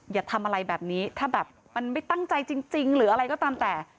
อย่าทำอะไรแบบนี้ถ้าแบบมันไม่ตั้งใจจริงหรืออะไรก็ตามแต่